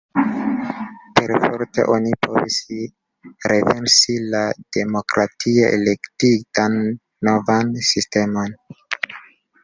Perforte oni provis renversi la demokratie elektitan novan sistemon.